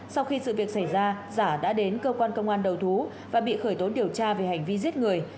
sau khi sự việc xảy ra giả đã đến cơ quan công an đầu thú và bị khởi tố điều tra về hành vi giết người